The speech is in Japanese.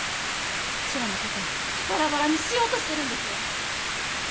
ウチらのことバラバラにしようとしてるんですわ！